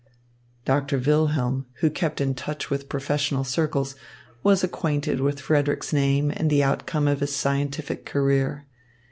Doctor Wilhelm, who kept in touch with professional circles, was acquainted with Frederick's name and the outcome of his scientific career.